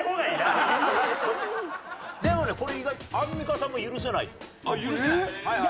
でもねこれ意外とアンミカさんも許せないと。あっ許せない？